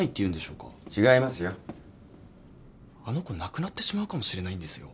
あの子亡くなってしまうかもしれないんですよ。